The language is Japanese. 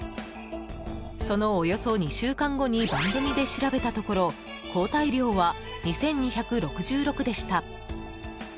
そのおよそ２週間後に番組で調べたところ抗体量は２２６６でした。